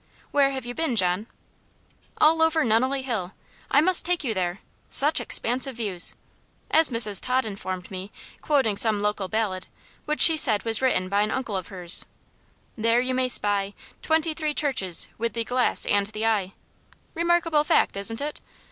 "Where have you been, John?" "All over Nunnely Hill. I must take you there such expansive views. As Mrs. Tod informed me, quoting some local ballad, which she said was written by an uncle of hers: "'There you may spy Twenty three churches with the glass and the eye.' Remarkable fact, isn't it?"